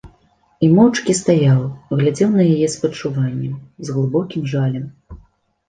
І моўчкі стаяў, глядзеў на яе з спачуваннем, з глыбокім жалем.